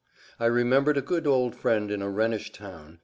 I remembered a good old friend in a Rhenish town.